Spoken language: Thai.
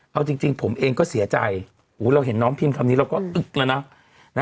เอาจริงผมเองก็เสียใจเราเห็นน้องพิมพ์คำนี้เราก็อึกแล้วนะ